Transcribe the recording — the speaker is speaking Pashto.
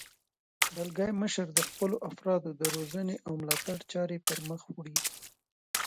دلګی مشر د خپلو افرادو د روزنې او ملاتړ چارې پرمخ وړي.